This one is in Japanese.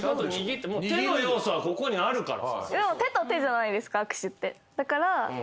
手の要素はここにあるから。